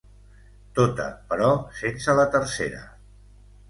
Tota, però sense la tercera.